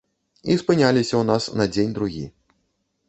І спыняліся ў нас на дзень-другі.